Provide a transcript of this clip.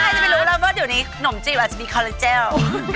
อาจจะไม่รู้แล้วว่าเดี๋ยวนี้ขนมจีบอาจจะมีคอลลาเจล